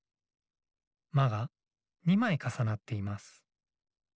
「ま」が２まいかさなっています。